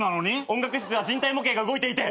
音楽室では人体模型が動いていて。